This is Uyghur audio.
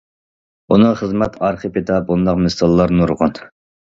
ئۇنىڭ خىزمەت ئارخىپىدا بۇنداق مىساللار نۇرغۇن.